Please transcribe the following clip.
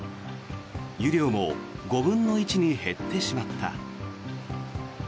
湯量も５分の１に減ってしまった。